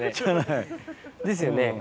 ですよね。